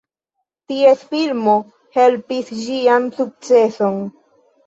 Ties filmo helpis ĝian sukceson.